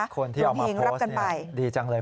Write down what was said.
คนที่เอามาโพสต์ดีจังเลย